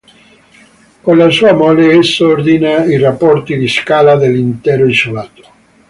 Con la sua mole, esso ordina i rapporti di scala dell'intero isolato.